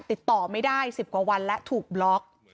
ติดต่อไม่ได้๑๐กว่าวันและถูกบล็อก